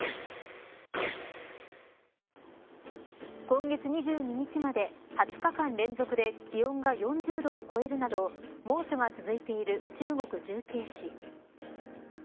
今月２２日まで２０日間連続で気温が４０度を超えるなど猛暑が続いている中国、重慶市。